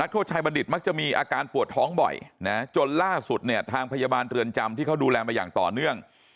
โทษชายบัณฑิตมักจะมีอาการปวดท้องบ่อยนะจนล่าสุดเนี่ยทางพยาบาลเรือนจำที่เขาดูแลมาอย่างต่อเนื่อง